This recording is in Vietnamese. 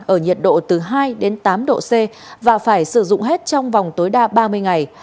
ở nhiệt độ từ hai đến tám độ c và phải sử dụng hết trong vòng tối đa ba mươi ngày